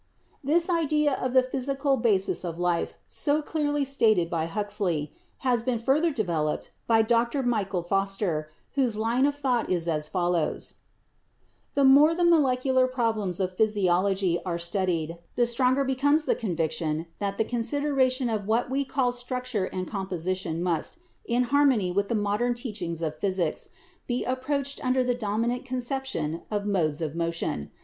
This idea of the physical basis of life, so clearly stated by Huxley, has been further developed by Dr. Michael PHYSIOLOGICAL IDEA OF LIFE 25 Foster, whose line of thought is as follows : "The more the molecular problems of physiology are studied, the stronger becomes the conviction that the consideration of what we call structure and composition must, in harmony with the modern teachings of physics, be approached under the dominant conception of modes of motion.